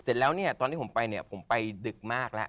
เสร็จแล้วเนี่ยตอนที่ผมไปเนี่ยผมไปดึกมากแล้ว